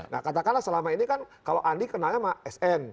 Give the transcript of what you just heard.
nah katakanlah selama ini kan kalau andi kenalnya sama sn